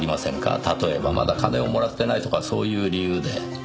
例えばまだ金をもらってないとかそういう理由で。